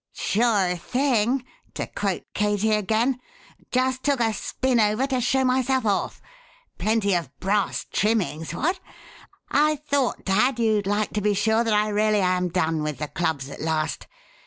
_" "'Sure thing!' to quote Katie again. Just took a spin over to show myself off. Plenty of brass trimmings! What? I thought, dad, you'd like to be sure that I really am done with the clubs at last.